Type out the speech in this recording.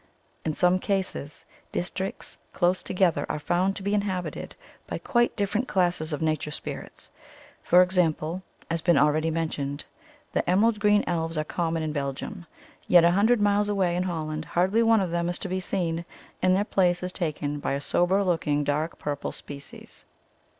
*'In some cases, districts close together are found to be inhabited by quite different classes of nature spirits ; for example, as has already been mentioned, the emerald green elves are common in Belgium, yet a hundred miles away in Holland hardly one of them is to be seen, and their place is taken by a sober looking dark purple species."